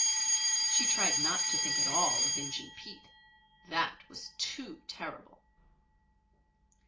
She tried not to think at all of Injun Pete. That was too terrible!